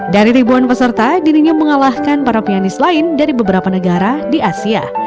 dari ribuan peserta dirinya mengalahkan para pianis lain dari beberapa negara di asia